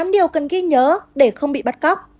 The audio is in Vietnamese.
tám điều cần ghi nhớ để không bị bắt cóc